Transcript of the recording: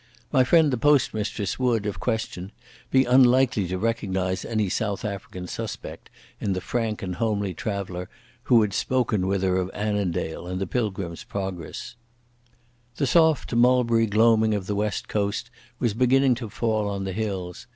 My friend the postmistress would, if questioned, be unlikely to recognise any South African suspect in the frank and homely traveller who had spoken with her of Annandale and the Pilgrim's Progress. The soft mulberry gloaming of the west coast was beginning to fall on the hills.